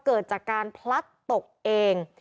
เกิดจากการพลัดตกเอง